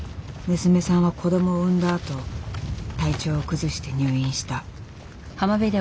娘さんは子どもを産んだあと体調を崩して入院した。